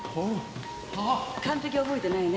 完璧覚えてないね。